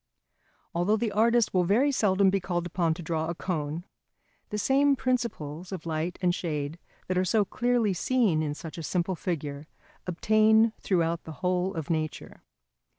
Although the artist will very seldom be called upon to draw a cone, the same principles of light and shade that are so clearly seen in such a simple figure obtain throughout the whole of nature.